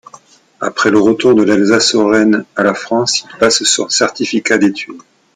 Après le retour de l'Alsace-Lorraine à la France, il passe son certificat d'études.